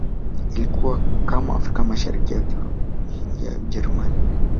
Ilikuwa kama Afrika Mashariki ya Ujerumani